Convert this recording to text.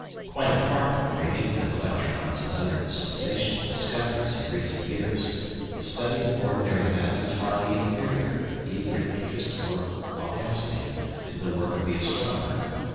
Quite apart from radium and electrons and other sensational discoveries of recent years, the study of ordinary matter is hardly inferior, either in interest or audacity, to the work of the astronomer.